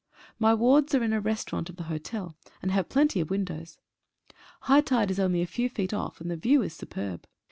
My wards are in the restaurant of the hotel, and have plenty of windows. High tide is only a few feet off, and the view is superb.